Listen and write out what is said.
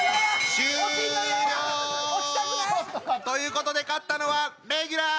終了！ということで勝ったのはレギュラー！